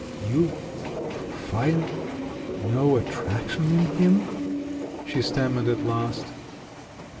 "You f find no attraction in him?" she stammered at last.